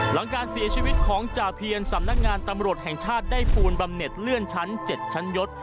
หลังการเสียชีวิตของจ่าเพียรสำนักงานตำรวจแห่งชาติได้ปูนบำเน็ตเลื่อนชั้น๗ชั้นยศ